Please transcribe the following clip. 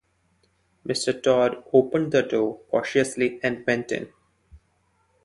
Mr Tod opened the door cautiously and went in.